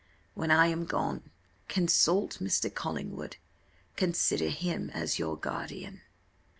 When I am gone consult Mr. Collingwood; consider him as your guardian."